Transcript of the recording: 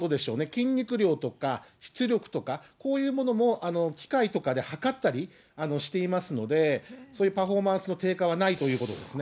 筋肉量とかしつ力とか、機械とかで測ったりしていますので、そういうパフォーマンスの低下はないということですね。